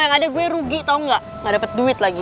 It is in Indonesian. yang ada gue rugi tau gak dapet duit lagi